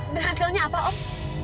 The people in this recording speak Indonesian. dan hasilnya apa om